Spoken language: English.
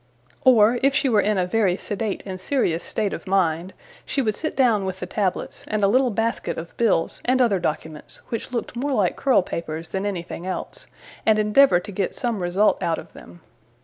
Or, if she were in a very sedate and serious state of mind, she would sit down with the tablets, and a little basket of bills and other documents, which looked more like curl papers than anything else, and endeavour to get some result out of them.